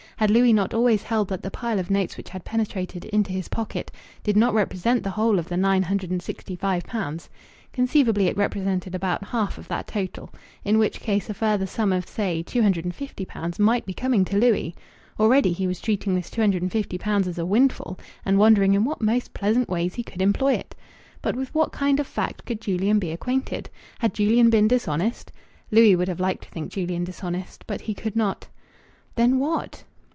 Had Louis not always held that the pile of notes which had penetrated into his pocket did not represent the whole of the nine hundred and sixty five pounds? Conceivably it represented about half of the total, in which case a further sum of, say, two hundred and fifty pounds might be coming to Louis. Already he was treating this two hundred and fifty pounds as a windfall, and wondering in what most pleasant ways he could employ it!... But with what kind of fact could Julian be acquainted?... Had Julian been dishonest? Louis would have liked to think Julian dishonest, but he could not. Then what